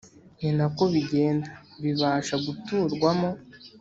ni na ko bigenda bibasha guturwamo